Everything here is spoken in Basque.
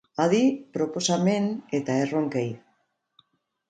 Adi proposamen eta erronkei.